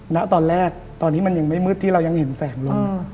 ณตอนแรกตอนนี้มันยังไม่มืดที่เรายังเห็นแสงลม